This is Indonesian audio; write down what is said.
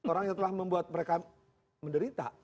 orang yang telah membuat mereka menderita